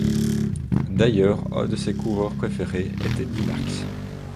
D'ailleurs, un de ses coureurs préférés est Eddy Merckx.